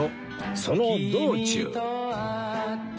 その道中